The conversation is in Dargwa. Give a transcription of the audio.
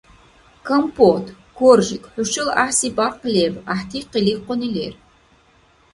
Компот, Коржик хӀушала гӀяхӀси бяркъ леб, гӀяхӀти къиликъуни лер.